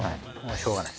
しようがない。